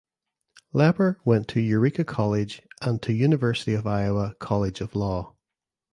Lepper went to Eureka College and to University of Iowa College of Law.